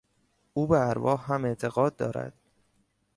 او به ارواح هم اعتقاد دارد.